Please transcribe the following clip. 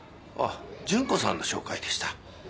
順子さんの紹介でした。